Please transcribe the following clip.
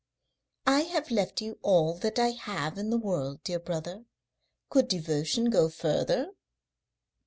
"I have left you all that I have in the world, dear brother. Could devotion go further?"